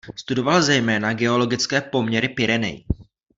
Studoval zejména geologické poměry Pyrenejí.